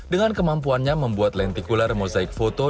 dengan kemampuannya membuat lenticular mosaik foto